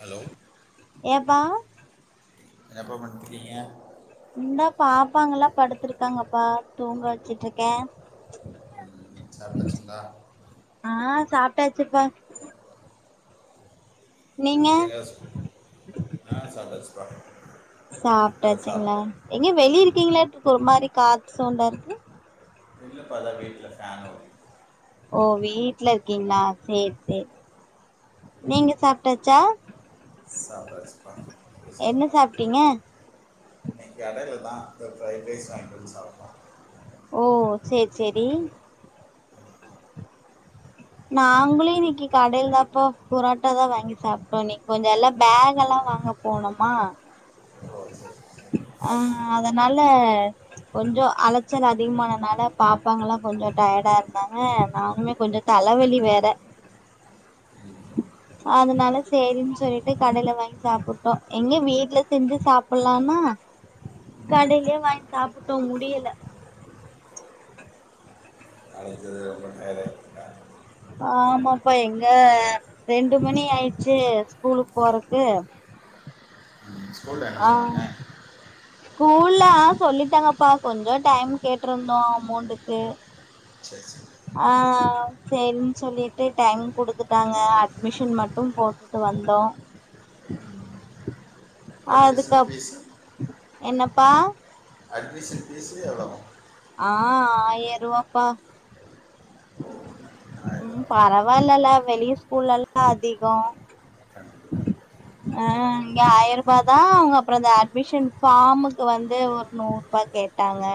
Hello ஏபா ஏபா பண்ணிட்கீங்க. இந்தா பாப்பாங்கல்லா படுத்திருக்காங்கப்பா தூங்க வச்சுட்ருக்கே ம் சாப்டாச்சுங்ளா ட்டாச்சுப்பா நீங்க இன்னைக்கு எங்க ஆ சாப்பிட்டாச்சுப்பா இப்போ சாப்ட்டாச்சுங்ளா சாப்பிட்டேன் எங்க வெளிய ம். இருக்கீங்ளா ஒரு மாரி காது சவுண்டாருக்கு இல்லபா அத வீட்ல ஃபேன் ஓடி ஓ வீட்ல இருக்கீங்களா சேர் செரி நீங்க சாப்ட்டாச்சா [unintelligible] என்ன சாப்ட்டீங்க இன்னைக் கடேல தா தோ ஃப்ரைட் ரைஸ் வாங்கிட்டு வந்து சாப்டோ ஓ சேர் செரி. நாங்ளூ இன்னைக்கு கடையில தாப்பா புரோட்டா தா வாங்கி சாப்ட்டோ இன்னைக்கு கொஞ்ச எல்லா பேக் எல்லா வாங்க போனோமா ஓ சரி சரி. ஆ அதனால கொஞ்சோ அலச்சல் அதிகமானதுனால பாப்பாங்கெல்லா கொஞ்சோ டயர்டாருந்தாங்க நாங்களூ கொஞ்சோ தலவலி வேற அதனால செரின் சொல்லிட்டு கடையில வாங்கி சாப்பிட்டோ எங்க வீட்ல செஞ்சு சாப்ட்லானா கடையிலே வாங்கி சாப்பிட்டோ முடியல. நாளைக்கு இது ரொம்ப டயர்டாகிட்டுருக்கா ஆமாப்பா எங்க ரெண்டு மணி ஆயிச்சு ஸ்கூலுக் போறக்கு ஸ்கூல்ல என்ன ஆ சொன்னாங்க ஸ்கூல்ல ஆ சொல்லிட்டாங்கப்பா கொஞ்சோ டைம் கேட்டுருந்தோ அமௌண்ட்டுக்கு சரி சரி ஆ செரின் சொல்லிட்டு டைம் குடுத்துட்டாங்க அட்மிஷன் மட்டூ போட்டுட்டு வந்தோ அட்மிஷன் அதுக்கப் ஃபீஸ் என்னப்பா ஃபீஸு எவ்வளோ ஆ ஆயரூவாப்பா. ஆயிரம் ம் ரூபா. பரவால்லல வெளிய ஸ்கூல்ல எல்லா அதிகோ கண்டிப்பா, கண்டிப்பா. ஆ இங்க ஆயிரபா தா அங்கப்றோ அட்மிஷன் ஃபார்முக் வந்து ஒரு நூற்ரூபா கேட்டாங்க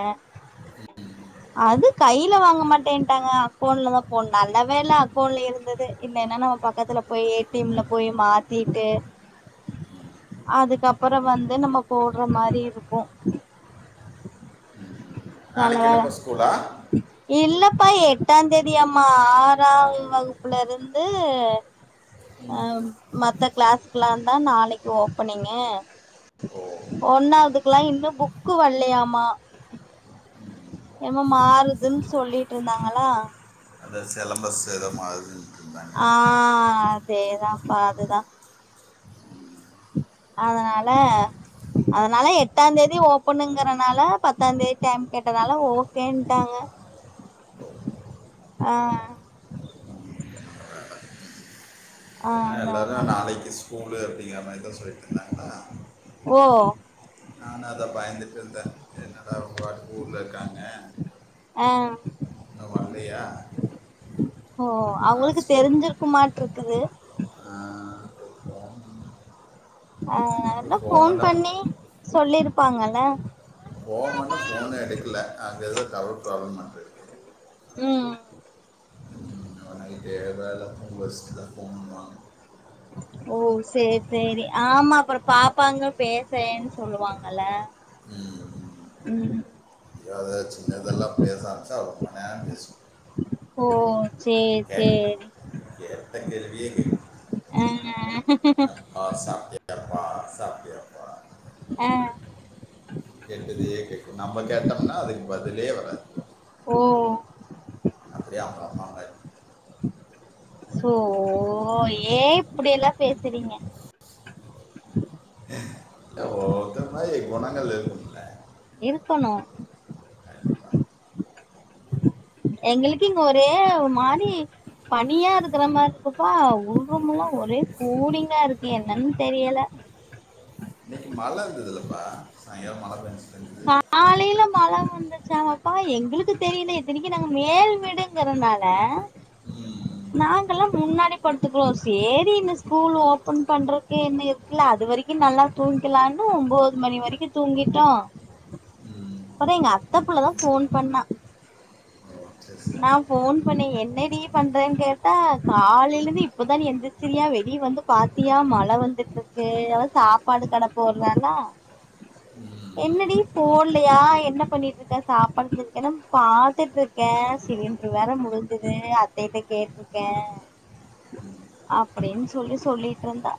அது கையில வாங்க மாட்டேன்ட்டாங்க அக்கௌண்ட்லதா போ நல்ல வேல அக்கவுண்ட்ல இருந்துது இல்லன்னா நம்ம பக்கத்துல போய் ஏ டி எம் ல போய் மாத்திட்டு அதுக்கப்றோ வந்து நம்ம போடுற மாரி இருக்கூ நாளைக்கு வேல என்னப்பா ஸ்கூலா இல்லப்பா எட்டாந்தேதி அம்மா ஆறாவ்து வகுப்புலேந்து மத்த கிளாஸ்க்லா தா நாளைக்கு ஓபனிங்கு ஓ ஒன்னாவதுக்குல்லா இன்னூ புக்கு வர் லையாமா என்மோ மாறுதுன் சொல்லிட்ருந்தாங்களா அத ஸ் செலபஸ் எதோ மாறுதுன்ட்ருந்தாங்க. அதேதாம்பா அதுதா அதனால அதனால எட்டாந்தேதி ஓப்பனுங்கிறனால பத்தாந்தேதி டைம் கேட்டதால ஓகேன்னட்டாங்க ஆ ஆ அ அதா எல்லாரூ அதா நாளைக்கி ஸ் கூலு அப்படிங்க மாரிதா ஸ் சொல்லிட்ருந்தாங்களா ஓ நானு அதா பயந்துட்டு இந்த என்னடா வடுவூர்ல இருக்காங்க. ஆ இன்னும் வரலையா ஓ நான் அவங்களுக்கு ஸ்கூல் தெரிஞ்சிருக்கு மாட்ருக்குது. [unintelligible] ஆ அதா ஃபோன் பண்ணி சொல்லிருப்பாங்கல ஃபோன் பண்ண ஃபோனே எடுக்ல அங்க எத டவர் ப்ராப்ளமாட்ருக்கு உம் நாளக்கி ஏதாத ஃபோன் வஷ்ட்டுதா ஃபோன் வாங்கு ஓ சேரி சேரி ஆமா அப்றோ பாப்பாங்க பேசறேன் சொல்லுவாங்கல்ல ம் ஏதாவது சின்னதெல்லாம் பேச ஆரம்ப்ச்சா ரொம்ப நேரொ பேசு ஓ சேர் கேட் சேரி [unintelligible] ஆ அப்பா சாப்பிட்டியாப்பா சாப்பிட்டியாப்பா ஆ கேட்டதையே கேக்கு நம்ம கேட்டோம்னா அதுக்கு பதிலே வராது ஓ அப்டியே அவுங்க அம்மா மாரி சோ ஏ இப்டியெல்லா பேசுறீங்க இல்லை, ஒவ்வொருத்தர் மாதிரி குணங்கள் இருக்கும்ல இருக்கொணு கண்டிப்பா எங்களுக்கு இங்க ஒரே மாரி பனியா இருக்கற மாருக்குப்பா ஒடம்புல்லா ஒரே கூலிங்கா இருக்கு என்னன் தெரியல இன்னக்கி மழ இருந்துதுல்லப்பா சாயங்காலொ மழ பேஞ்ச்சிச் பேஞ்சிது காலையில மழ வந்துச்சாங்கப்பா எங்களுக்கு தெரியல இத்தனைக்கு நாங்க மேல் வீடுங்குறனால ம், நாங்கல்லா முன்னாடி படுத்துக்குறோ சேரி இந்த ஸ்கூல் ஓப்பன் பண்றத்துக்கே இன்னு இருக்குல்ல அது வரிக்கு நல்லா தூங்கில்லான்னு ஒம்போது மணி வரிக்கு தூங்கிட்டோ ம். அட எங்க அத்தப்புள்ளதா ஃபோன் பண்ணா ஓ, சரி, சரி. நான் ஃபோன் பண்ணே என்னடி பண்றேன் கேட்டா காலையிலந்து இப்பதா நீ எந்திச்சிரியா வெளிய வந்து பாத்தியா மழ வந்துட்ருக்கு அது சாப்பாடு கட போட்றானா ம், என்னடி போல்லையா என்ன பண்ணிட்ருக்க சாப்பாடு [unintelligible] பாத்துட்ருக் க்க சிலிண்ட்ரு வேற முடிஞ்சிது அத்தயிட்ட கேட்ருக்கே அப்டின் சொல்லி சொல்லிட்ருந்தா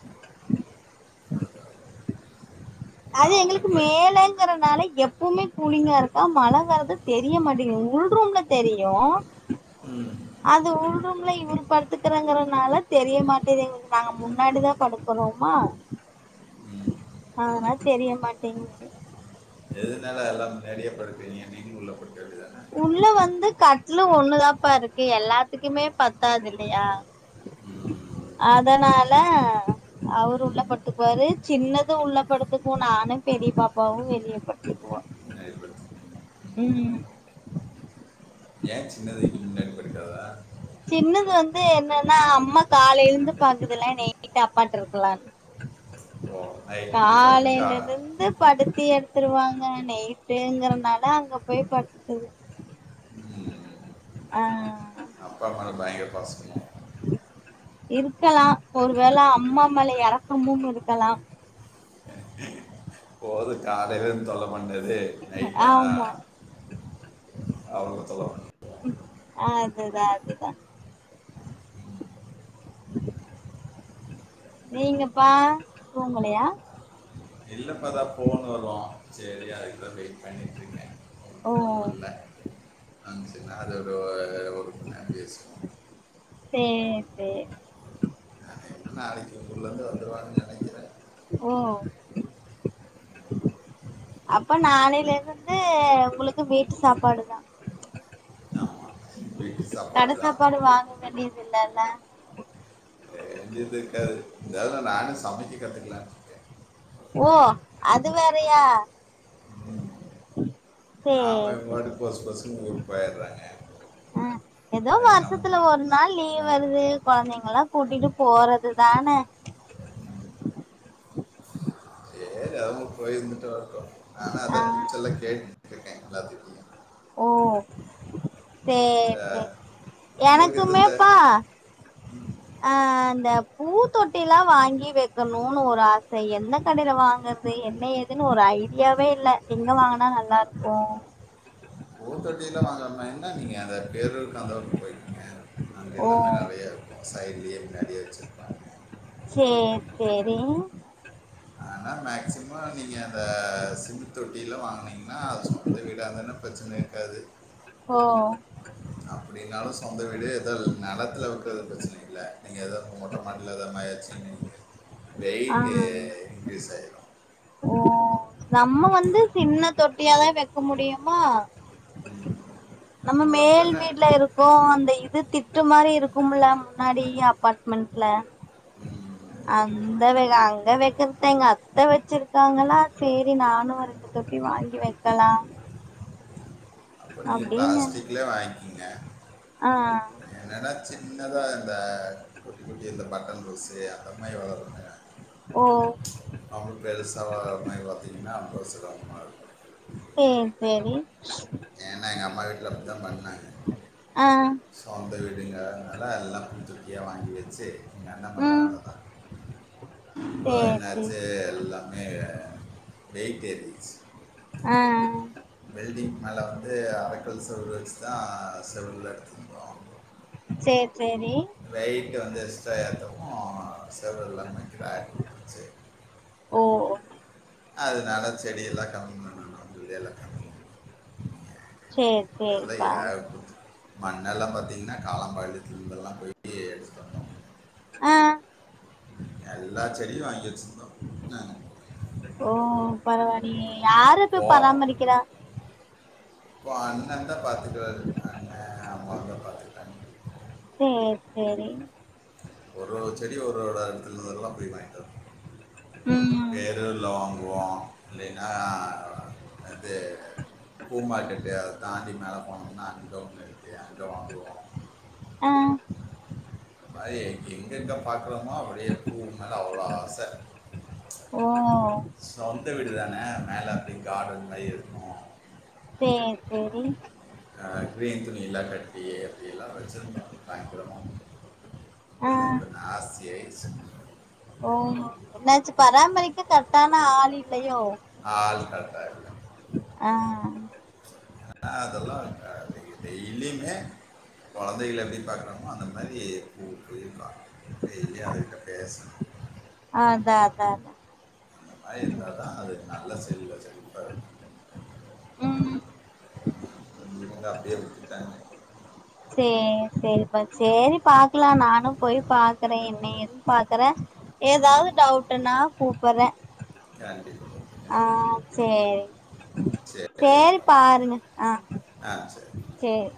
அது நான் எங்களுக்கு அவங்களுக்குல மேல க்குறனால எப்பவ்மே கூலிங்கா இருக்கா மழ வர்றது தெரிய மாட்டேங்கிது உள் ரூம்ல தெரியு ம், அது உள்ரூம்ல இவரு படுத்துக்குறங்கறனால தெரிய மாட்டிது [unintelligible] நாங்க முன்னாடிதா படுக்குறோமா ம். அதனால தெரிய மாட்டேங்கிது எதுனால எல்லாம் முன்னாடியே படுக்குறீங்க நீங்களு உள்ள படுக்க வேண்டியதா உள்ள வந்து கட்லு ஒண்ணு தாப்பா இருக்கு எல்லாத்துக்குமே பத்தாதில்லையா ம், அதனால அவரு உள்ள ம். படுத்துக்குவாரு சின்னது உள்ள படத்துக்கு நானு பெரி பாப்பாவு வெளிய படுத்துக்குவோ முன்னாடி படுத்துக்கிறீங்க ம் ஏ சின்னது இங்க முன்னாடி படுக்காதா சின்னது வந்து என்னன்னா அம்மா காலைலேந்து பாக்குதுல்ல நைட்டு அப்பாட்ட இருக்லான் ஸோ நைட் டிபார்ட்மெண்ட்டாக காலையிலருந்து படுத் த்தி எடுத்துருவாங்க நைட்டுங்குறனால அங்க போய் படுத்து ஆ அப்பா மேல பயங்கர பாசமோ இருக்கலா ஒருவேள அம்மா மேல எரக்கமும் இருக்கலா போது காலையிலருந்து தொல்ல பண்ணி ட்டு நைட்டானா ஆமா அவர தொல்ல பண் [inaudible] அதுதா அதுதா நீங்கப்பா தூங்கலயா இல்லைப்பா அதான் ஃபோன் வரு சேரி அதுக்கு தா வெயிட் பண்ணிகிட்ருக்கே ஓ ஃபோன் வர்ல நான அதோட ஒரு மணி நேர பேசுவோ சேரி சேரி என்னென்ன நாளக்கி ஊர்ளேந்து வந்துருவங்குன் நெனக்கிற ஓ அப்ப நானையில இருந்து உங்களுக்கு வீட்டு சாப்பாடுதா ஆமாம் வீட்டு கட தான் சாப்பாடு வாங்க கண்ணியதுலல்லல்ல எந்து எது இருக்காது இதால நானு சமைக்க கத்துக்கலான்ருக்கே ஓ அது வேறயா ஆமா சேரி இவுங் சேரி பாட்டுக்கு போசுக் போசுக்குன் ஊருக் போயற்றாங்க எதோ வர்ஷத்துல ஒரு நாள் லீவ் வருது கொழந்தைங்கல்லா கூட்டிட்டு போறதுதான போய் இர்ந்துட்டு வர் ஆனா அதா ஆ பிக்ச்சர்லா கேட்டுட்ருக்கே ஓ சேர் அஹ், சேர் உங்களுக்கு எது தே எனக்குமேப்பா ஆ இந்த பூ தொட்டில்லா வாங்கி வெக்கணுனு ஒரு ஆச எந்த கடையில வாங்கற்து என்ன ஏதுன்னு ஒரு ஐடியாவே இல்ல எங்க வாங்குனா நல்லா இருக்கு பூ தொட்டி எல்லா வாங்காமா என்ன நீங்க அந்த பேரூருக்கு அந்த ஊர்க்கு போய்ர்க்கீங்க அங்க எல்லாமே ஓ நறையா இருக்கு சைட்லயே நறைய வெச்சுருப்பாங்க சே சேரி ஆனா மேக்ஸிமம் நீங்க அந்த சிமென்ட் தொட்டியெல்லா வாங்குனீங்னா அது சொந்த வீடார்ந்தா ப்ரச்சன இருக்காது ஓ அப்படின்னாலும் சொந்த வீடே ஏதாவ் நெலத்துல வெக்கறது ப்ரச்சன இல்ல நீங்க ஏதாவ் மொட்ட மாட்ல எதா [unintelligible] ஆ வெய்ட்டு சேரி ஓ நம்ம வந்து சின்ன தொட்டியாதா வெக்க முடியுமா ம். நம்ம அப்போ மேல் என்ன வீட்ல இருக்கோ அந் த இது திட்டு மாரி இருக்கும்ல முன்னாடியே அப்பாட்மெண்ட்ல அந்த வெ அங்க வெக்கற்து எங்க அத்த வச்சிருக்காங்களா சேரி நானு ரெண்டு தொட்டி வாங்கி வெக்கலா நீங்க ப்ளாஸ்ட்டிக்லே வாய்ங் கிங்க அ ஆ ஆனா சின்னதா இந்த குட்டி குட்டி இந்த பட்டன் ரோஸு அந்த மாரி வளருங்க ஓ அவுங்கள் சவ மை பாத்தீங்னா [unintelligible] சேர் செரி ஏன்ன அமா வீட்ல அப்டித்தா பண்ணாங்க ஆ சொந்த வீட் விடுங்க அதுனால எல்லா புருஞ்சுக்கிய வாங்கி வச்சு ஏ ம் அண்ண [unintelligible] சேர் சேரி என்னாச்சு எல்லாமே வெய்ட் ஏரிச் அ வெல்டிங் மேல வந்து அரைக்கல் செவுரு வச்சுதா செவுருலா எடுத்துருந்தோ சேர் சேரி வந்து எக்ஸ்ட்ரா ஏத்துரமோ செவருலா க்ரேக் உட்ருச்சு ஓ அதுனால செடிய எல்லா கம்மி பண்ணனு இது எல்லா கம்மி சேர் அதுல்ல சேரிப்பா ஏர் போத் மண்ணெல்லாம் பாத்திங்னா காலாம்பாளையத்துல இருந்தெல்லாம் போயி ஆ எல்லா செடியு வாங்கி வெச்சுருந்தோ அ ஓ பரவாலியே யாரு இப்ப போ பராமரிக்கிறா இப்போ அண்ணந்தா பாத்துக்கறாரு அண்ண அம்மாவுந்தா பாத்துக்றாங் சேர் செரிங் ஒரு ஒரு செடி ஒரு ஒரு எடத்துல இருந்துலா போய் வாங்கிட் வந்த ம் பேரூர்ல வாங்குவோ இல்லி னா அது பூ மார்க்கெட்டு தாண்டி மேலே போனம்னா அங்க ஒன்னு இருக் ஆ பய எங்கெங்க பாக்கறோமோ அப்படியே பூவு மேல அவ்ள ஆச ஓ சொந்த வீடு தான மேலே அப்டி கார்டன் மாரி சேர் சேரி அ கிரீன் துணி எல்லா கட்டி அப்படி எல்லா வெச்சிருந்தோ பயங்கரமா வந்து ஆ ஆனா இப்ப நாஸ்தி ஆயிருச்சு மரிக்க கரெட்டான ஆளில் லையோ ஆள் கரெக்டாக இல்லை ஆ அதெல்லா ஆ டெய்லியுமே கொழந்தைகள எப்டி பாக்கறோமோ அந்த மாரி பூக்களையு பாக்கனு டெய்லியு அதுகிட்ட பேசணு அதா அதா அதா அந்த மாரி இருந்தாதா அது நல்ல செல்ல செழிப்பா இருக்கு ம் இல்ல அப்டியே விட் தான சேர் செரிப்பா சேரி பாக்கலா நானும் பொய் பாக்குறே என்ன ஏதுன் பாக்குறே ஏதாவது டவுட்டுனா கூப்புர்ரே யான்டி ஆஹ் சேரி சரி சேரி பாருங்க ஆஹ் ஆ சரி சேர்